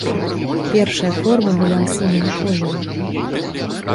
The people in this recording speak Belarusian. Першая форма была сіняга колеру.